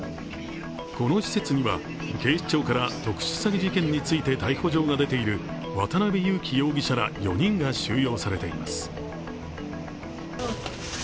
この施設には、警視庁から特殊詐欺について逮捕状が出ている渡辺優樹容疑者ら４人が収容されています。